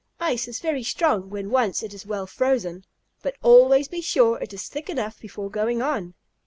Ice is very strong when once it is well frozen. But always be sure it is thick enough before going on."